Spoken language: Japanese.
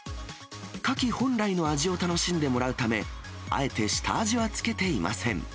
カキ本来の味を楽しんでもらうため、あえて下味はつけていません。